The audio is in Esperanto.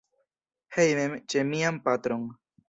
Hejmen, ĉe mian patron.